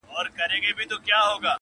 ما ته بيرته يو ځل راكه اولادونه٫